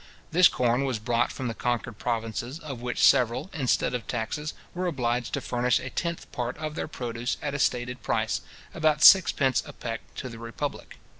This corn was brought from the conquered provinces, of which several, instead of taxes, were obliged to furnish a tenth part of their produce at a stated price, about sixpence a peck, to the republic.